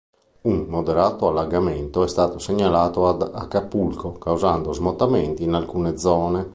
Un moderato allagamento è stato segnalato ad Acapulco, causando smottamenti in alcune zone.